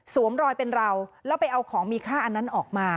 รอยเป็นเราแล้วไปเอาของมีค่าอันนั้นออกมา